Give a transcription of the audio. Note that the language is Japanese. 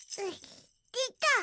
でた！